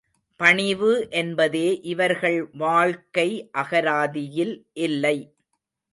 பணிவு என்பதே இவர்கள் வாழ்க்கை அகராதியில் இல்லை.